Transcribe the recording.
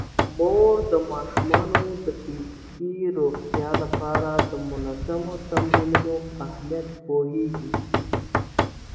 مور د ماشومانو د فزیکي روغتیا لپاره د منظمو تمرینونو اهمیت پوهیږي.